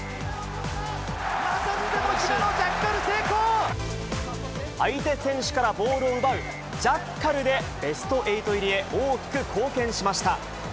またしても姫野、ジャッカル相手選手からボールを奪う、ジャッカルでベスト８入りへ大きく貢献しました。